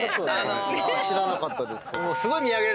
知らなかったです。